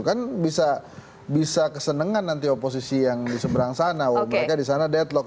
kan bisa kesenengan nanti oposisi yang di seberang sana mereka di sana deadlock